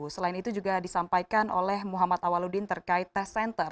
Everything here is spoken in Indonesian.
selain itu juga disampaikan oleh muhammad awaludin terkait tes center